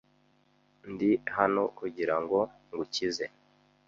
Ndi hano kugirango ngukize.